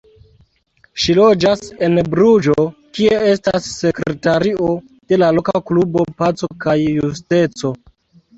Ŝi loĝas en Bruĝo, kie estas sekretario de la loka klubo Paco kaj Justeco.